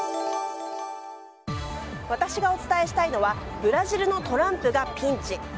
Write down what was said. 私がお伝えしたいのはブラジルのトランプがピンチ。